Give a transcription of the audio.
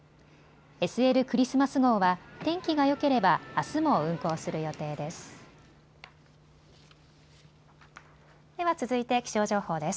ＳＬクリスマス号は天気がよければ、あすも運行する予定です。